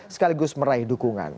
sekaligus meraih dukungan